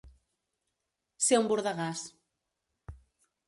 Ser un bordegàs.